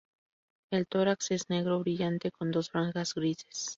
El tórax es negro brillante con dos franjas grises.